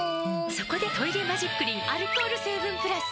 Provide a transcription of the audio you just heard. そこで「トイレマジックリン」アルコール成分プラス！